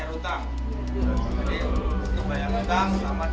untuk apa pak